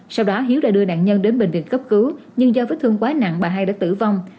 sau đó hiếu đã đưa nạn nhân đến bệnh viện cấp cứu nhưng do vết thương quá nặng bà hai đã tử vong